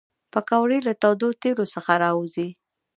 پکورې له تودو تیلو څخه راوزي